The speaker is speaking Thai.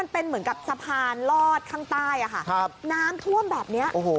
เป็นเหมือนกับสะพานลอดข้างใต้อะค่ะน้ำท่วมแบบนี้